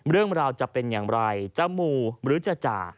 เรื่องราวจะเป็นอย่างไรจะหมู่หรือจะจ่า